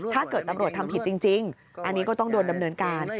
ถ้าเกิดตำรวจทำผิดจริงอันนี้ก็ต้องโดนดำเนินการ